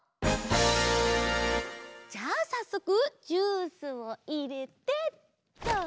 じゃあさっそくジュースをいれてっと。